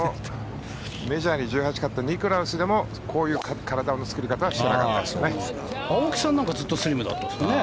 メジャーに１８回勝ったニクラウスでもこういう体の作り方はしてませんでしたからね。